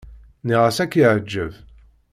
Nniɣ-as ad k-yeɛǧeb.